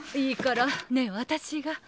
いいからねえ私が。